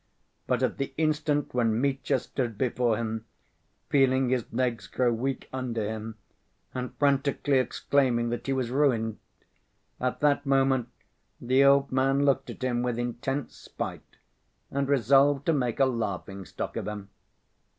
But at the instant when Mitya stood before him, feeling his legs grow weak under him, and frantically exclaiming that he was ruined, at that moment the old man looked at him with intense spite, and resolved to make a laughing‐stock of him.